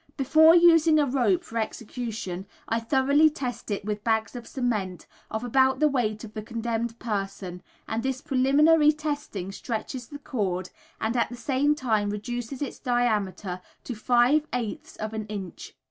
Before using a rope for an execution, I thoroughly test it with bags of cement of about the weight of the condemned person, and this preliminary testing stretches the cord and at the same time reduces its diameter to 5/8 of an inch.